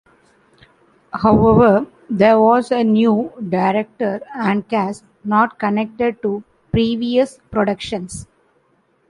However, there was a new director and cast, not connected to previous productions.